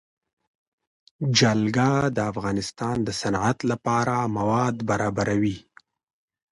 جلګه د افغانستان د صنعت لپاره مواد برابروي.